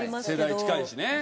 世代近いしね。